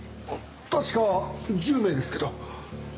確か１０名ですけど。